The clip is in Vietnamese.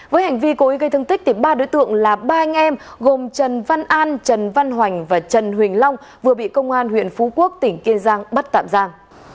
với hành vi cố ý gây thương tích ba đối tượng là ba anh em gồm trần văn an trần văn hoành và trần huỳnh long vừa bị công an huyện phú quốc tỉnh kiên giang bắt tạm giam